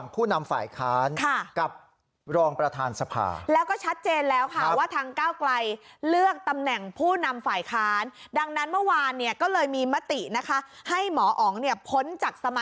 ถูกต้องค่ะก็หนึ่งมิมตินะคะ